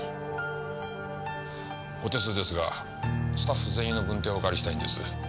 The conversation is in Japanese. お手数ですがスタッフ全員の軍手をお借りしたいんです。